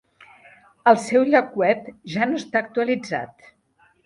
El seu lloc web ja no està actualitzat.